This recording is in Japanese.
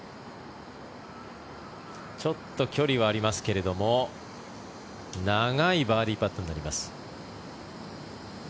ちょっと距離はありますけども長いバーディーパットになります。